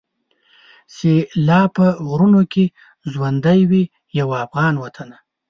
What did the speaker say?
چي لا په غرونو کي ژوندی وي یو افغان وطنه.